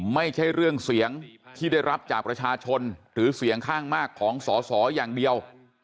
ไม่ใช่เรื่องเสียงที่ได้รับจากประชาชนหรือเสียงข้างมากของสอสออย่างเดียว